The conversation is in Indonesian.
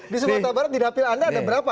di sumatera barat di dapil anda ada berapa